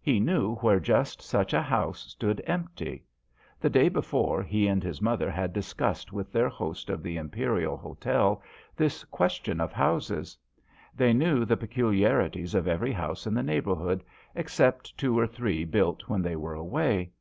He knew where just such a house stood empty. The day before he and his mother had discussed, with their host of the Imperial Hotel, this question of houses. They knew the pecu liarities of every house in the neighbourhood, except two or three built while they were away.